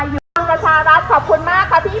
ที่รสชารัฐขอบคุณมากนะพี่๘๕๐๒